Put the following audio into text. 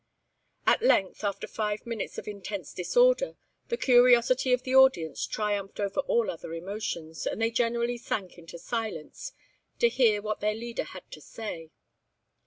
At length, after five minutes of intense disorder, the curiosity of the audience triumphed over all other emotions, and they generally sank into silence, to hear what their leader had to say.